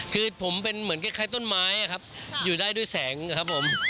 คือผมเป็นเหมือนคล้ายต้นไม้ครับอยู่ได้ด้วยแสงครับผม